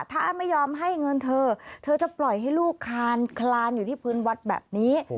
ถ้าไม่ยอมให้เงินเธอเธอจะปล่อยให้ลูกคานคลานอยู่ที่พื้นวัดแบบนี้